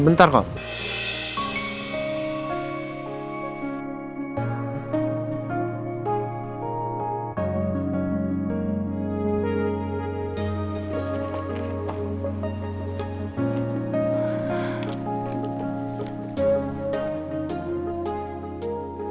jangan lupa klik the subscribe button